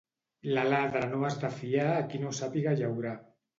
L'aladre no has de fiar a qui no sàpiga llaurar.